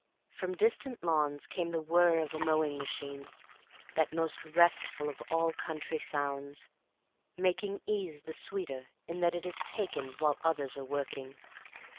From distant lawns came the whir of a mowing machine, that most restful of all country sounds; making ease the sweeter in that it is taken while others are working.